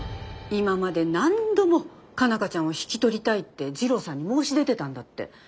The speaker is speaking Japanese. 今まで何度も佳奈花ちゃんを引き取りたいって次郎さんに申し出てたんだって。